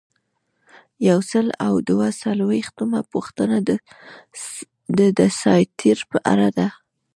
یو سل او دوه څلویښتمه پوښتنه د دساتیر په اړه ده.